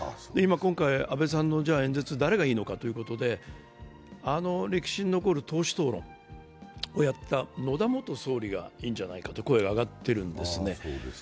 今回、安倍さんの演説は誰がいいのかということで歴史に残る党首討論をやった野田元総理がいいんじゃないかという声が上がってるんですね。